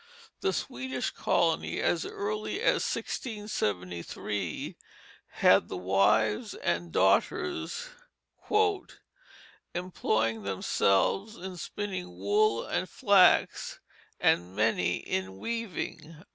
The Swedish colony as early as 1673 had the wives and daughters "employing themselves in spinning wool and flax and many in weaving."